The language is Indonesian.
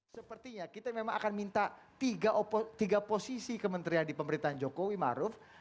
sepertinya kita memang akan minta tiga posisi kementerian di pemerintahan jokowi maruf